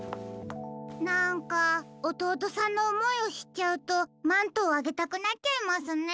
なんかおとうとさんのおもいをしっちゃうとマントをあげたくなっちゃいますね。